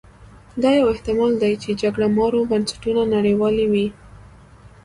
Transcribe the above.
دا یو احتما ل دی چې جګړه مارو بنسټونه نړولي وي.